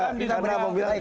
kita berapa bilang